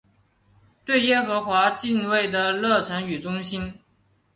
对耶和华敬畏的热诚与忠心。